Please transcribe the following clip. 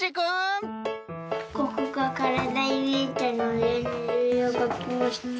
ここがからだにみえたのでネズミをかきました。